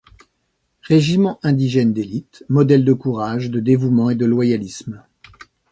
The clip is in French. Régiment indigène d'élite, modèle de courage, de dévouement et de loyalisme.